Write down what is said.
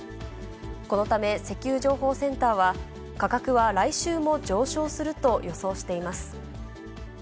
このため、石油情報センターは、価格は来週も上昇すると予想しています。